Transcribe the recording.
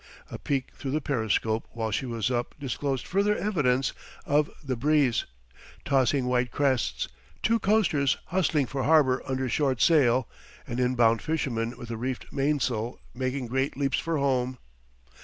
A peek through the periscope while she was up disclosed further evidence of the breeze tossing white crests, two coasters hustling for harbor under short sail, an inbound fisherman with reefed mainsail making great leaps for home.